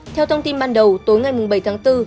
theo thông tin ban đầu tối ngày bảy tháng bốn